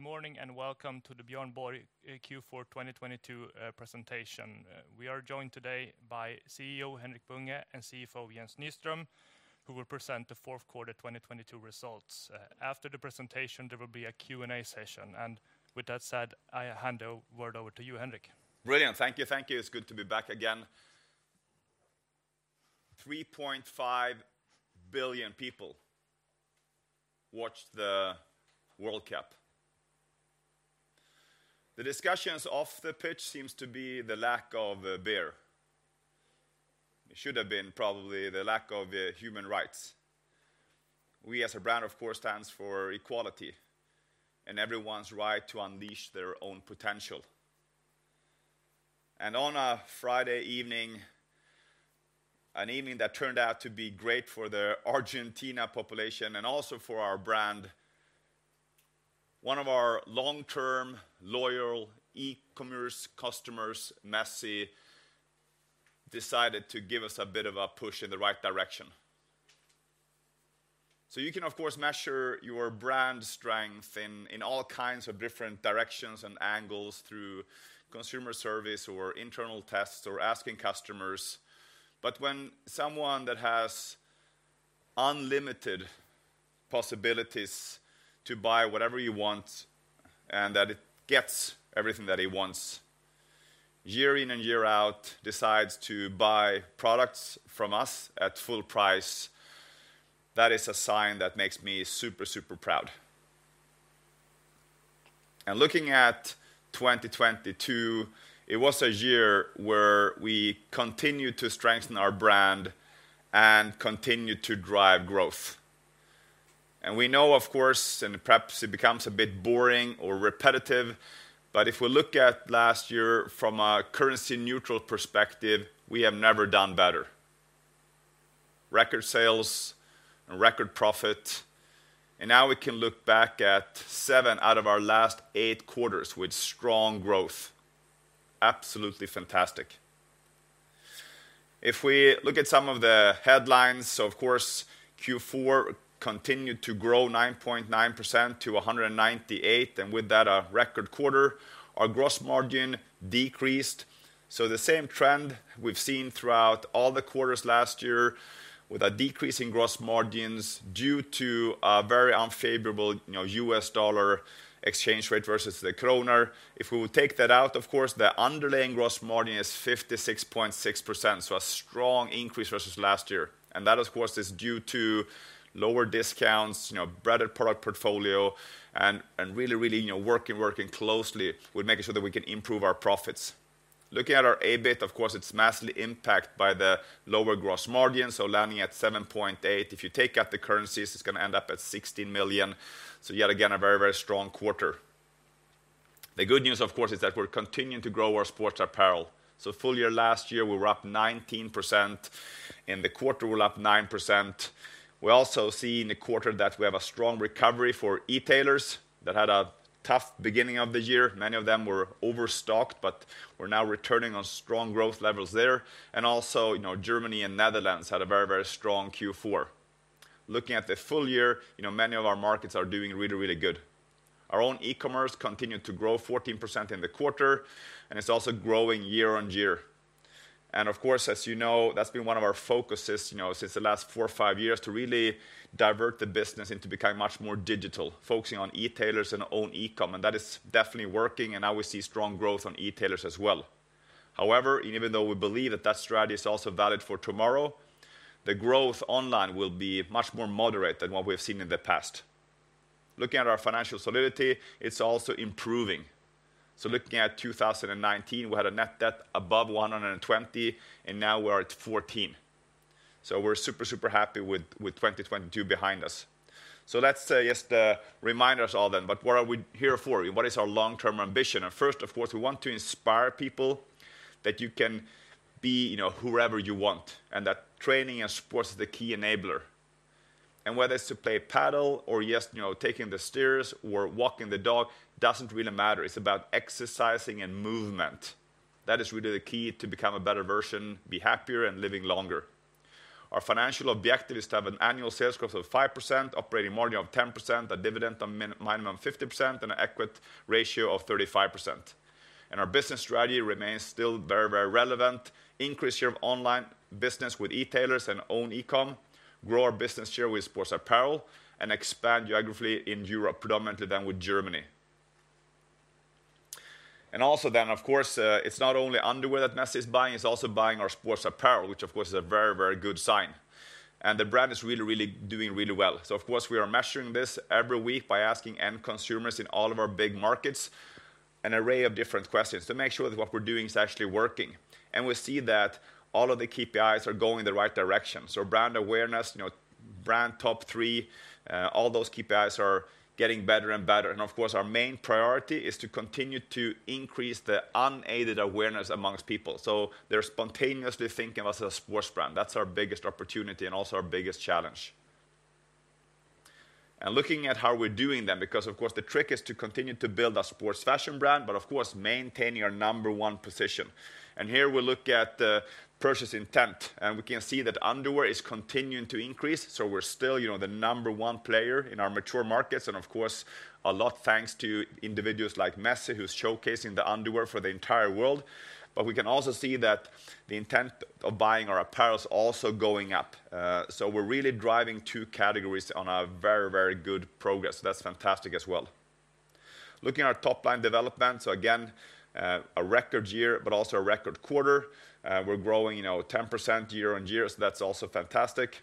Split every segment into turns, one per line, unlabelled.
Good morning and welcome to the Björn Borg Q4 2022 presentation. We are joined today by CEO Henrik Bunge and CFO Jens Nyström, who will present Q4 2022 results. After the presentation, there will be a Q&A session. And with that said, I hand the word over to you, Henrik.
Brilliant. Thank you. Thank you. It's good to be back again. 3.5 billion people watched the World Cup. The discussions off the pitch seem to be the lack of beer. It should have been probably the lack of human rights. We, as a brand, of course, stand for equality and everyone's right to unleash their own potential, and on a Friday evening, an evening that turned out to be great for the Argentina population and also for our brand, one of our long-term loyal e-commerce customers, Messi, decided to give us a bit of a push in the right direction, so you can, of course, measure your brand strength in all kinds of different directions and angles through consumer service or internal tests or asking customers. But when someone that has unlimited possibilities to buy whatever you want and that gets everything that he wants year in and year out decides to buy products from us at full price, that is a sign that makes me super, super proud. And looking at 2022, it was a year where we continued to strengthen our brand and continue to drive growth. And we know, of course, and perhaps it becomes a bit boring or repetitive, but if we look at last year from a currency-neutral perspective, we have never done better. Record sales and record profit. And now we can look back at seven out of our last eight quarters with strong growth. Absolutely fantastic. If we look at some of the headlines, of course, Q4 continued to grow 9.9% to 198 million. And with that, a record quarter, our gross margin decreased. So the same trend we've seen throughout all the quarters last year with a decrease in gross margins due to a very unfavorable US dollar exchange rate versus the krona. If we will take that out, of course, the underlying gross margin is 56.6%, so a strong increase versus last year, and that, of course, is due to lower discounts, a better product portfolio, and really, really working closely with making sure that we can improve our profits. Looking at our EBIT, of course, it's massively impacted by the lower gross margin, so landing at 7.8. If you take out the currencies, it's going to end up at 16 million, so yet again, a very, very strong quarter. The good news, of course, is that we're continuing to grow our sports apparel, so full year last year, we were up 19%. In the quarter, we were up 9%. We also see in the quarter that we have a strong recovery for retailers that had a tough beginning of the year. Many of them were overstocked, but we're now returning on strong growth levels there. And also, Germany and Netherlands had a very, very strong Q4. Looking at the full year, many of our markets are doing really, really good. Our own e-commerce continued to grow 14% in the quarter, and it's also growing year on year. And of course, as you know, that's been one of our focuses since the last four or five years to really divert the business into becoming much more digital, focusing on retailers and own e-comm. And that is definitely working, and now we see strong growth on retailers as well. However, even though we believe that that strategy is also valid for tomorrow, the growth online will be much more moderate than what we have seen in the past. Looking at our financial solidity, it's also improving. So looking at 2019, we had a net debt above 120, and now we are at 14. So we're super, super happy with 2022 behind us. So let's just remind ourselves, then, but what are we here for? What is our long-term ambition? And first, of course, we want to inspire people that you can be whoever you want, and that training and sports is the key enabler. And whether it's to play padel or just taking the stairs or walking the dog doesn't really matter. It's about exercising and movement. That is really the key to become a better version, be happier, and live longer. Our financial objective is to have an annual sales growth of 5%, operating margin of 10%, a dividend on minimum 50%, and an equity ratio of 35%. And our business strategy remains still very, very relevant: increase your online business with retailers and own e-comm, grow our business share with sports apparel, and expand geographically in Europe, predominantly then with Germany. And also, then, of course, it's not only underwear that Messi is buying. He's also buying our sports apparel, which, of course, is a very, very good sign. And the brand is really, really doing really well. So, of course, we are measuring this every week by asking end consumers in all of our big markets an array of different questions to make sure that what we're doing is actually working. And we see that all of the KPIs are going in the right direction. Brand awareness, brand top three, all those KPIs are getting better and better. Of course, our main priority is to continue to increase the unaided awareness among people so they're spontaneously thinking of us as a sports brand. That's our biggest opportunity and also our biggest challenge. Looking at how we're doing, then, because, of course, the trick is to continue to build a sports fashion brand, but, of course, maintain your number one position. Here we look at purchase intent. We can see that underwear is continuing to increase. We're still the number one player in our mature markets. Of course, a lot thanks to individuals like Messi, who's showcasing the underwear for the entire world. We can also see that the intent of buying our apparel is also going up. We're really driving two categories on a very, very good progress. That's fantastic as well. Looking at our top line development, so again, a record year, but also a record quarter, we're growing 10% year on year. That's also fantastic.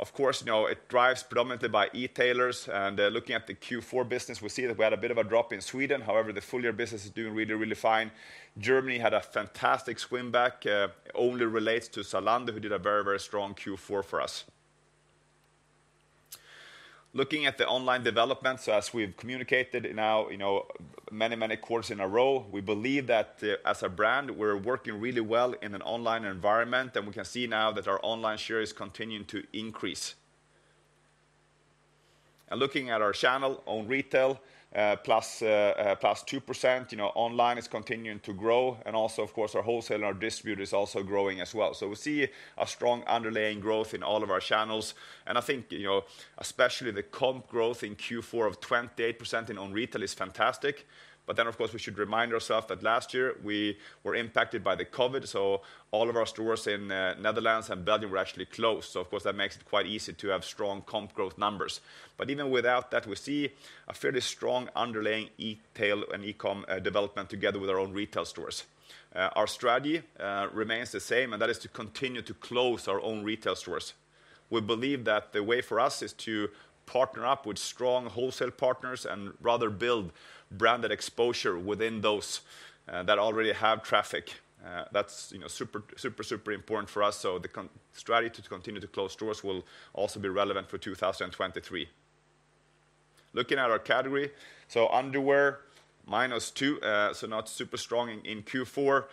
Of course, it drives predominantly by retailers. Looking at the Q4 business, we see that we had a bit of a drop in Sweden. However, the full year business is doing really, really fine. Germany had a fantastic swing back. It only relates to Zalando, who did a very, very strong Q4 for us. Looking at the online development, so as we've communicated now many, many quarters in a row, we believe that as a brand, we're working really well in an online environment. We can see now that our online share is continuing to increase. Looking at our channel, own retail +2%, online is continuing to grow. And also, of course, our wholesale and our distribution is also growing as well. So we see a strong underlying growth in all of our channels. And I think especially the comp growth in Q4 of 28% in own retail is fantastic. But then, of course, we should remind ourselves that last year we were impacted by COVID-19. So all of our stores in the Netherlands and Belgium were actually closed. So, of course, that makes it quite easy to have strong comp growth numbers. But even without that, we see a fairly strong underlying retail and e-comm development together with our own retail stores. Our strategy remains the same, and that is to continue to grow our own retail stores. We believe that the way for us is to partner up with strong wholesale partners and rather build branded exposure within those that already have traffic. That's super, super, super important for us. So the strategy to continue to close stores will also be relevant for 2023. Looking at our category, so underwear, -2%, so not super strong in Q4.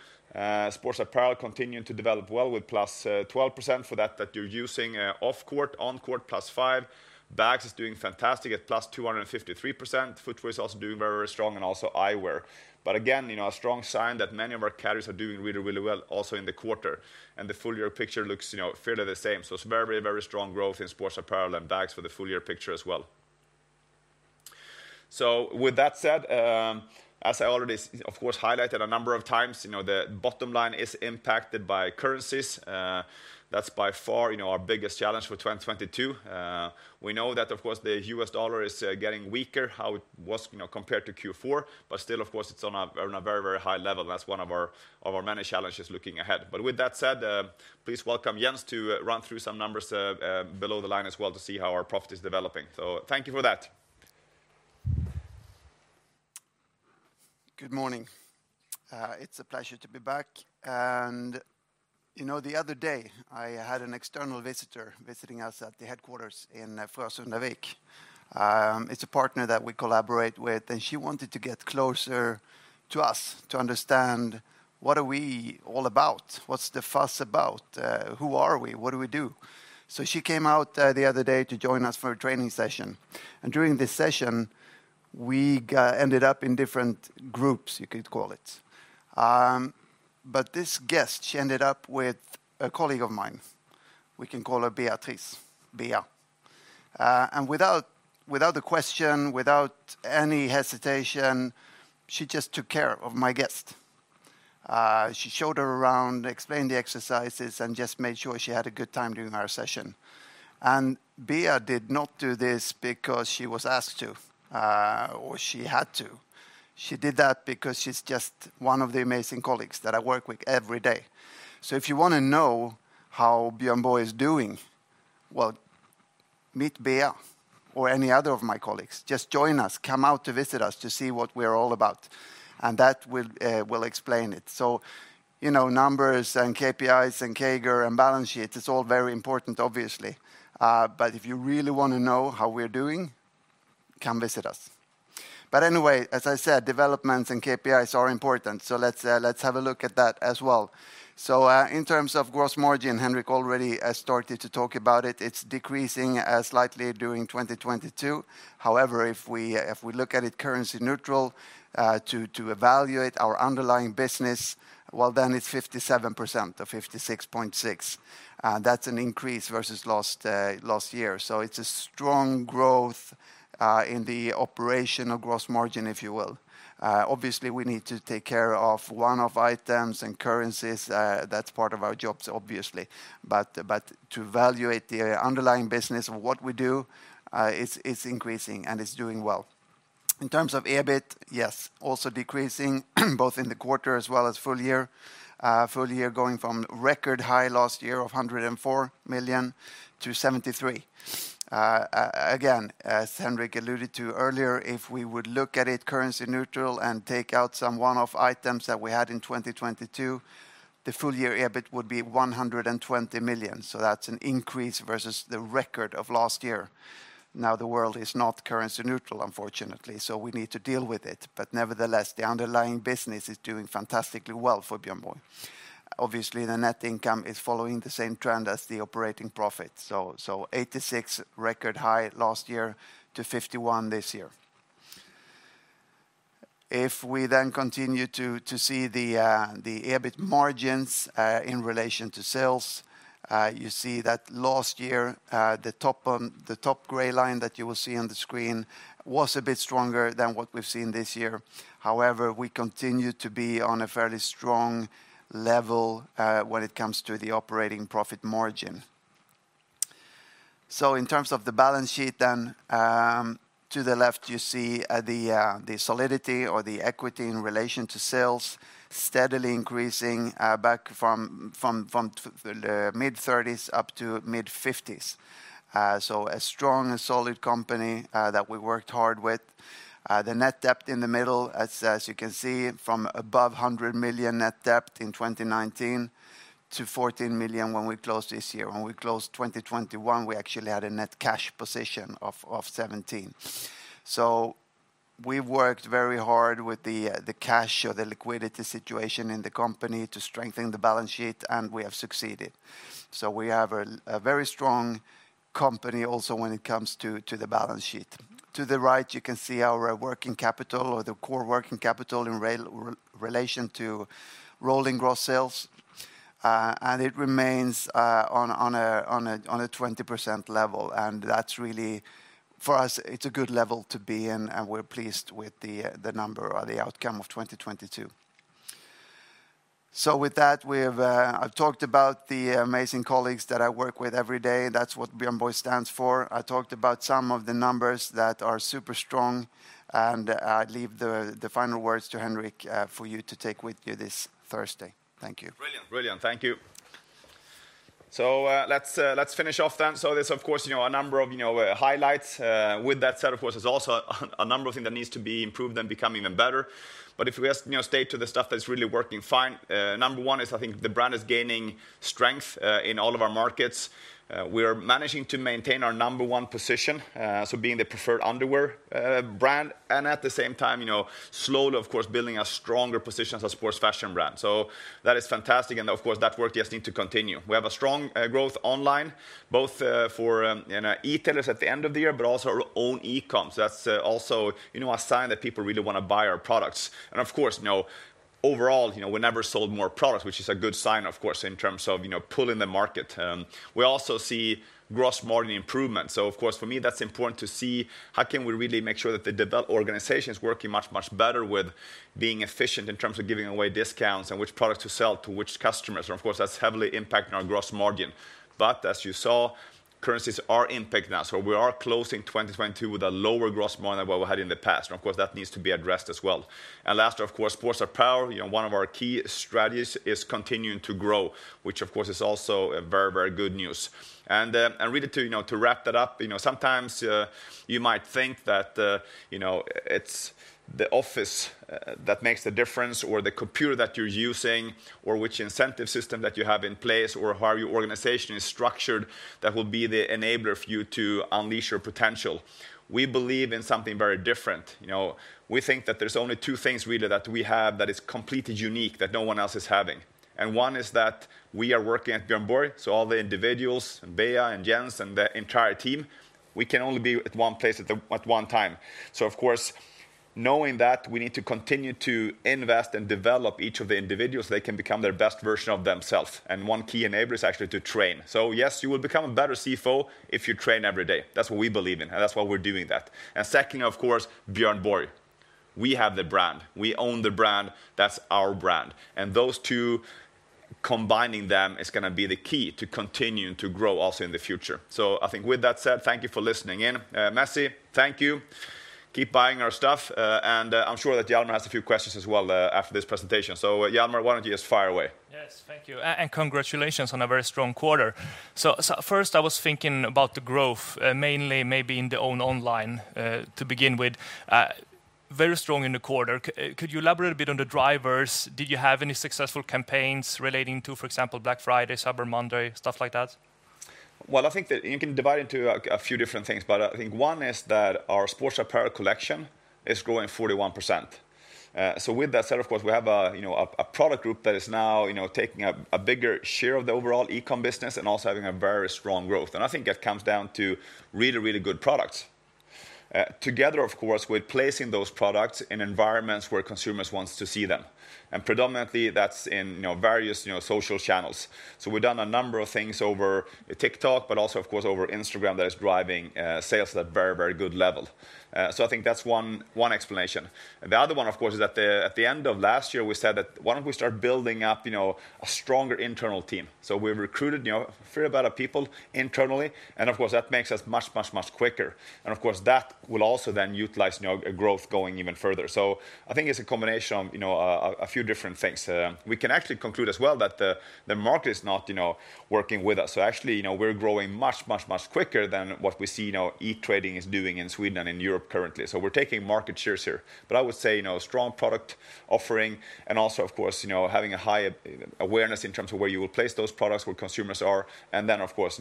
Sports apparel continuing to develop well with +12% for that you're using off court, on court, +5%. Bags is doing fantastic at +253%. Footwear is also doing very, very strong, and also eyewear. But again, a strong sign that many of our categories are doing really, really well also in the quarter. And the full year picture looks fairly the same. So it's very, very, very strong growth in sports apparel and bags for the full year picture as well. With that said, as I already, of course, highlighted a number of times, the bottom line is impacted by currencies. That's by far our biggest challenge for 2022. We know that, of course, the US dollar is getting weaker than it was compared to Q4, but still, of course, it's on a very, very high level. That's one of our many challenges looking ahead. But with that said, please welcome Jens to run through some numbers below the line as well to see how our profit is developing. Thank you for that.
Good morning. It's a pleasure to be back, and the other day, I had an external visitor visiting us at the headquarters in Frösundavik. It's a partner that we collaborate with, and she wanted to get closer to us to understand what are we all about, what's the fuss about, who are we, what do we do, so she came out the other day to join us for a training session. During this session, we ended up in different groups, you could call it. But this guest, she ended up with a colleague of mine. We can call her Beatrice, Bea. Without question, without any hesitation, she just took care of my guest. She showed her around, explained the exercises, and just made sure she had a good time during our session, and Bea did not do this because she was asked to or she had to. She did that because she's just one of the amazing colleagues that I work with every day, so if you want to know how Björn Borg is doing, well, meet Bea or any other of my colleagues. Just join us, come out to visit us to see what we are all about, and that will explain it, so numbers and KPIs and CAGR and balance sheets is all very important, obviously, but if you really want to know how we're doing, come visit us, but anyway, as I said, developments and KPIs are important, so let's have a look at that as well, so in terms of gross margin, Henrik already started to talk about it. It's decreasing slightly during 2022. However, if we look at it currency neutral to evaluate our underlying business, well, then it's 57% or 56.6%. That's an increase versus last year. It's a strong growth in the operational gross margin, if you will. Obviously, we need to take care of one-off items and currencies. That's part of our jobs, obviously. But to evaluate the underlying business of what we do, it's increasing and it's doing well. In terms of EBIT, yes, also decreasing both in the quarter as well as full year. Full year going from record high last year of 104 to 73 million. Again, as Henrik alluded to earlier, if we would look at it currency neutral and take out some one-off items that we had in 2022, the full year EBIT would be 120 million. That's an increase versus the record of last year. Now, the world is not currency neutral, unfortunately, so we need to deal with it. But nevertheless, the underlying business is doing fantastically well for Björn Borg. Obviously, the net income is following the same trend as the operating profit. So 86, record high last year to 51 this year. If we then continue to see the EBIT margins in relation to sales, you see that last year, the top gray line that you will see on the screen was a bit stronger than what we've seen this year. However, we continue to be on a fairly strong level when it comes to the operating profit margin. So in terms of the balance sheet, then, to the left, you see the solidity or the equity in relation to sales steadily increasing back from the mid-30s up to mid-50s. So a strong, solid company that we worked hard with. The net debt in the middle, as you can see, from above 100 net debt in 2019 to 14 million when we closed this year. When we closed 2021, we actually had a net cash position of 17, so we worked very hard with the cash or the liquidity situation in the company to strengthen the balance sheet, and we have succeeded, so we have a very strong company also when it comes to the balance sheet. To the right, you can see our working capital or the core working capital in relation to rolling gross sales, and it remains on a 20% level, and that's really, for us, it's a good level to be, and we're pleased with the number or the outcome of 2022, so with that, I've talked about the amazing colleagues that I work with every day. That's what Björn Borg stands for. I talked about some of the numbers that are super strong, and I leave the final words to Henrik for you to take with you this Thursday. Thank you.
Brilliant. Brilliant. Thank you. So let's finish off, then. So there's, of course, a number of highlights. With that said, of course, there's also a number of things that need to be improved and become even better. But if we just stay to the stuff that's really working fine, number one is, I think, the brand is gaining strength in all of our markets. We are managing to maintain our number one position, so being the preferred underwear brand. And at the same time, slowly, of course, building a stronger position as a sports fashion brand. So that is fantastic. And, of course, that work just needs to continue. We have a strong growth online, both for retailers at the end of the year, but also our own e-comm. So that's also a sign that people really want to buy our products. Of course, overall, we never sold more products, which is a good sign, of course, in terms of pulling the market. We also see gross margin improvement. So, of course, for me, that's important to see how can we really make sure that the developed organization is working much, much better with being efficient in terms of giving away discounts and which products to sell to which customers. And, of course, that's heavily impacting our gross margin. But, as you saw, currencies are impacting us. So we are closing 2022 with a lower gross margin than what we had in the past. And, of course, that needs to be addressed as well. And lastly, of course, sports apparel, one of our key strategies, is continuing to grow, which, of course, is also very, very good news. And really, to wrap that up, sometimes you might think that it's the office that makes the difference or the computer that you're using or which incentive system that you have in place or how your organization is structured that will be the enabler for you to unleash your potential. We believe in something very different. We think that there's only two things, really, that we have that is completely unique that no one else is having. And one is that we are working at Björn Borg, so all the individuals and Bea and Jens and the entire team, we can only be at one place at one time. So, of course, knowing that, we need to continue to invest and develop each of the individuals so they can become their best version of themselves. And one key enabler is actually to train. So, yes, you will become a better CFO if you train every day. That's what we believe in, and that's why we're doing that. And second, of course, Björn Borg. We have the brand. We own the brand. That's our brand. And those two, combining them, is going to be the key to continuing to grow also in the future. So, I think with that said, thank you for listening in. Messi, thank you. Keep buying our stuff. And I'm sure that Jelmer has a few questions as well after this presentation. So, Jelmer, why don't you just fire away? Yes, thank you. And congratulations on a very strong quarter. So, first, I was thinking about the growth, mainly maybe in the own online to begin with, very strong in the quarter. Could you elaborate a bit on the drivers? Did you have any successful campaigns relating to, for example, Black Friday, Cyber Monday, stuff like that? I think that you can divide into a few different things. I think one is that our sports apparel collection is growing 41%. With that said, of course, we have a product group that is now taking a bigger share of the overall e-comm business and also having a very strong growth. I think that comes down to really, really good products. Together, of course, we're placing those products in environments where consumers want to see them. Predominantly, that's in various social channels. We've done a number of things over TikTok, but also, of course, over Instagram that is driving sales at a very, very good level. I think that's one explanation. The other one, of course, is that at the end of last year, we said that why don't we start building up a stronger internal team. So, we've recruited a fair bit of people internally. And, of course, that makes us much, much, much quicker. And, of course, that will also then utilize growth going even further. So, I think it's a combination of a few different things. We can actually conclude as well that the market is not working with us. So, actually, we're growing much, much, much quicker than what we see e-tailing is doing in Sweden and in Europe currently. So, we're taking market shares here. But I would say strong product offering and also, of course, having a high awareness in terms of where you will place those products, where consumers are, and then, of course,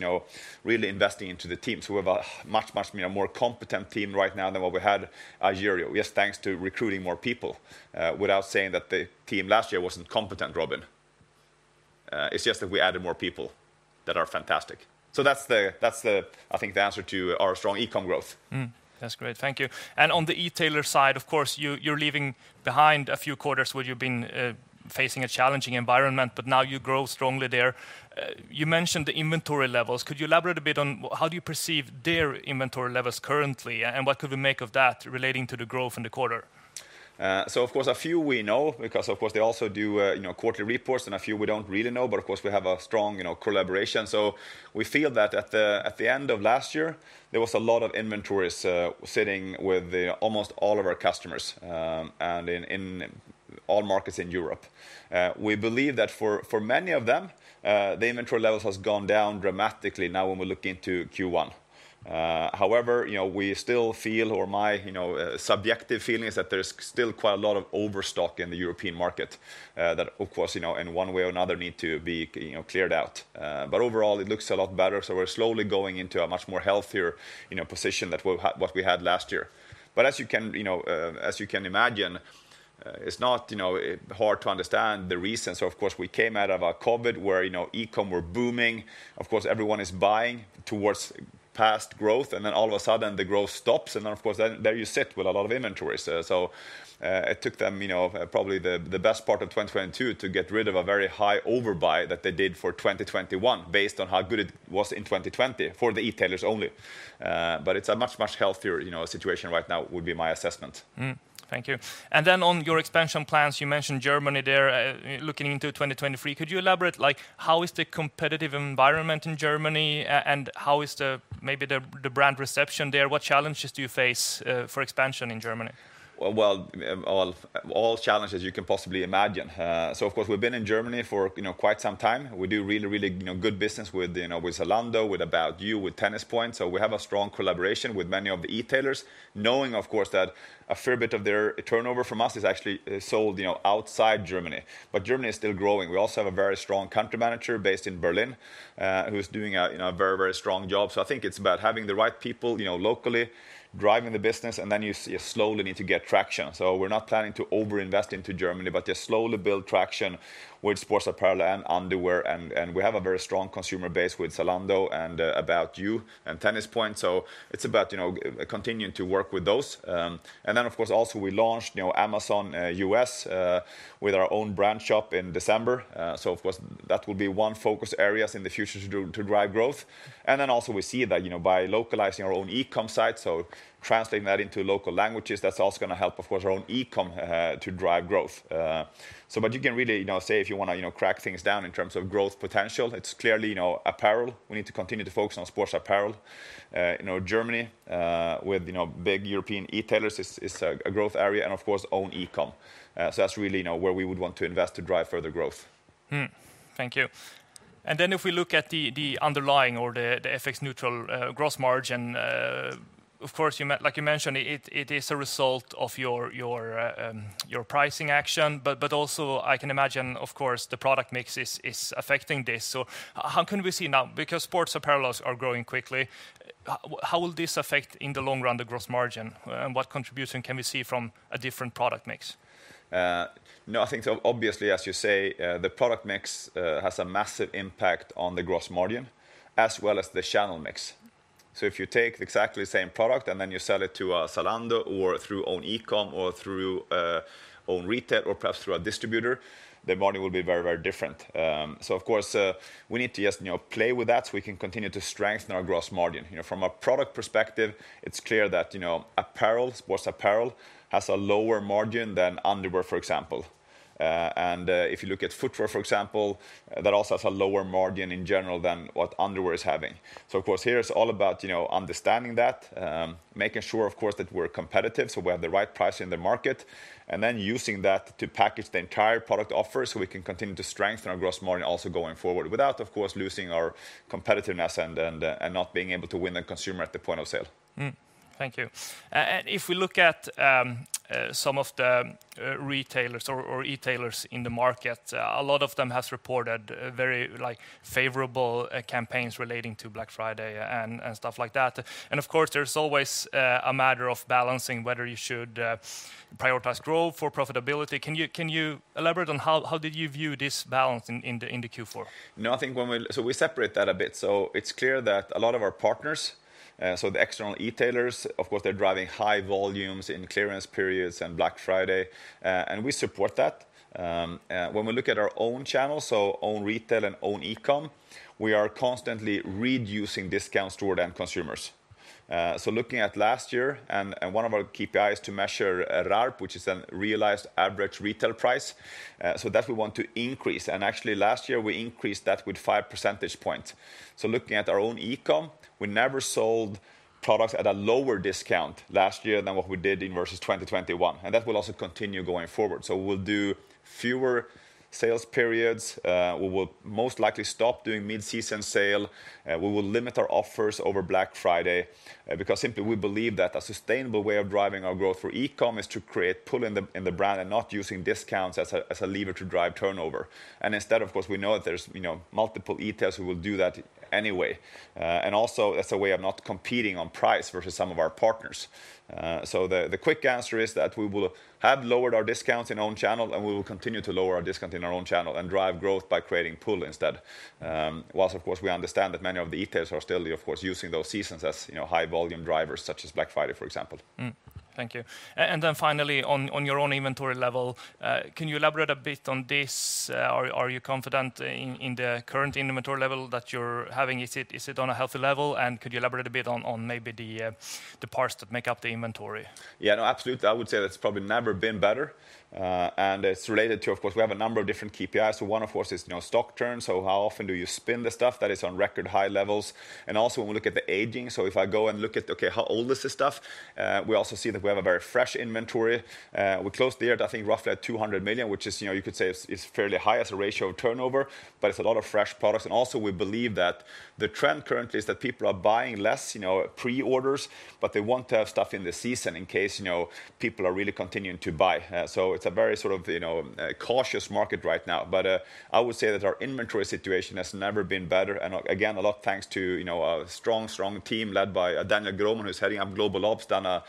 really investing into the team. So, we have a much, much more competent team right now than what we had a year ago. Yes, thanks to recruiting more people without saying that the team last year wasn't competent, Robin. It's just that we added more people that are fantastic. So, that's, I think, the answer to our strong e-comm growth. That's great. Thank you. And on the e-tailer side, of course, you're leaving behind a few quarters where you've been facing a challenging environment, but now you grow strongly there. You mentioned the inventory levels. Could you elaborate a bit on how do you perceive their inventory levels currently and what could we make of that relating to the growth in the quarter? So, of course, a few we know because, of course, they also do quarterly reports and a few we don't really know, but, of course, we have a strong collaboration. So, we feel that at the end of last year, there was a lot of inventories sitting with almost all of our customers and in all markets in Europe. We believe that for many of them, the inventory levels have gone down dramatically now when we're looking into Q1. However, we still feel, or my subjective feeling is that there's still quite a lot of overstock in the European market that, of course, in one way or another need to be cleared out. But overall, it looks a lot better. So, we're slowly going into a much more healthier position than what we had last year. But as you can imagine, it's not hard to understand the reasons. So, of course, we came out of a COVID where e-comm were booming. Of course, everyone is buying towards past growth. And then all of a sudden, the growth stops. And then, of course, there you sit with a lot of inventories. So, it took them probably the best part of 2022 to get rid of a very high overbuy that they did for 2021 based on how good it was in 2020 for the e-tailers only. But it's a much, much healthier situation right now, would be my assessment. Thank you. And then on your expansion plans, you mentioned Germany there looking into 2023. Could you elaborate like how is the competitive environment in Germany and how is maybe the brand reception there? What challenges do you face for expansion in Germany? All challenges you can possibly imagine. So, of course, we've been in Germany for quite some time. We do really, really good business with Zalando, with About You, with Tennis-Point. So, we have a strong collaboration with many of the e-tailers, knowing, of course, that a fair bit of their turnover from us is actually sold outside Germany. But Germany is still growing. We also have a very strong country manager based in Berlin who's doing a very, very strong job. So, I think it's about having the right people locally driving the business, and then you slowly need to get traction. So, we're not planning to overinvest into Germany, but just slowly build traction with sports apparel and underwear. And we have a very strong consumer base with Zalando and About You and Tennis Point. So, it's about continuing to work with those. And then, of course, also we launched Amazon U.S. with our own brand shop in December. So, of course, that will be one focus area in the future to drive growth. And then also we see that by localizing our own e-comm site, so translating that into local languages, that's also going to help, of course, our own e-comm to drive growth. So, but you can really say if you want to crack things down in terms of growth potential, it's clearly apparel. We need to continue to focus on sports apparel. Germany with big European e-tailers is a growth area. And, of course, own e-comm. So, that's really where we would want to invest to drive further growth. Thank you. And then if we look at the underlying or the FX-neutral gross margin, of course, like you mentioned, it is a result of your pricing action. But also, I can imagine, of course, the product mix is affecting this. So, how can we see now? Because sports apparels are growing quickly. How will this affect in the long run the gross margin? And what contribution can we see from a different product mix? No, I think obviously, as you say, the product mix has a massive impact on the gross margin as well as the channel mix. So, if you take exactly the same product and then you sell it to Zalando or through own e-comm or through own retail or perhaps through a distributor, the margin will be very, very different. So, of course, we need to just play with that so we can continue to strengthen our gross margin. From a product perspective, it's clear that apparel, sports apparel has a lower margin than underwear, for example. And if you look at footwear, for example, that also has a lower margin in general than what underwear is having. Of course, here it's all about understanding that, making sure, of course, that we're competitive so we have the right price in the market, and then using that to package the entire product offer so we can continue to strengthen our gross margin also going forward without, of course, losing our competitiveness and not being able to win the consumer at the point of sale. Thank you. And if we look at some of the retailers or e-tailers in the market, a lot of them have reported very favorable campaigns relating to Black Friday and stuff like that. And, of course, there's always a matter of balancing whether you should prioritize growth or profitability. Can you elaborate on how did you view this balance in the Q4? No, I think we separate that a bit. So, it's clear that a lot of our partners, so the external e-tailers, of course, they're driving high volumes in clearance periods and Black Friday. And we support that. When we look at our own channels, so own retail and own e-comm, we are constantly reducing discounts toward end consumers. So, looking at last year, and one of our KPIs to measure RARP, which is a realized average retail price, so that we want to increase. And actually, last year, we increased that with five percentage points. So, looking at our own e-comm, we never sold products at a lower discount last year than what we did versus 2021. And that will also continue going forward. So, we'll do fewer sales periods. We will most likely stop doing mid-season sale. We will limit our offers over Black Friday because, simply, we believe that a sustainable way of driving our growth for e-comm is to create pull in the brand and not using discounts as a lever to drive turnover. And instead, of course, we know that there's multiple e-tailers who will do that anyway. And also, that's a way of not competing on price versus some of our partners. So, the quick answer is that we will have lowered our discounts in own channel, and we will continue to lower our discount in our own channel and drive growth by creating pull instead. Whilst, of course, we understand that many of the e-tailers are still, of course, using those seasons as high volume drivers, such as Black Friday, for example. Thank you. And then finally, on your own inventory level, can you elaborate a bit on this? Are you confident in the current inventory level that you're having? Is it on a healthy level? And could you elaborate a bit on maybe the parts that make up the inventory? Yeah, no, absolutely. I would say that's probably never been better. And it's related to, of course, we have a number of different KPIs. So, one, of course, is stock turn. So, how often do you spin the stuff? That is on record high levels. And also, when we look at the aging, so if I go and look at, okay, how old is this stuff, we also see that we have a very fresh inventory. We closed the year, I think, roughly at 200 million SEK, which you could say is fairly high as a ratio of turnover, but it's a lot of fresh products. And also, we believe that the trend currently is that people are buying less pre-orders, but they want to have stuff in the season in case people are really continuing to buy. So, it's a very sort of cautious market right now. I would say that our inventory situation has never been better. Again, a lot thanks to a strong, strong team led by Daniel Grohman, who's heading up Global Ops, done a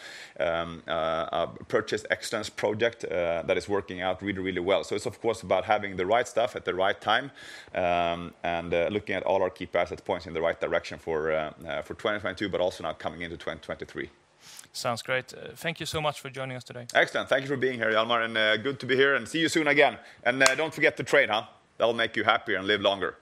purchase excellence project that is working out really, really well. It's, of course, about having the right stuff at the right time and looking at all our key asset points in the right direction for 2022, but also now coming into 2023. Sounds great. Thank you so much for joining us today. Excellent. Thank you for being here, Jelmer. And good to be here and see you soon again. And don't forget to trade, huh? That'll make you happier and live longer.